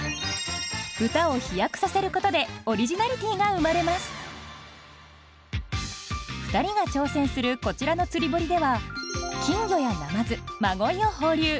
歌を飛躍させることでオリジナリティーが生まれます２人が挑戦するこちらの釣堀では金魚やナマズ真鯉を放流。